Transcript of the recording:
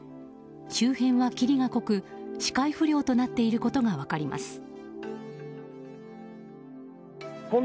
周辺は霧が濃く視界不良となっていることが分かります。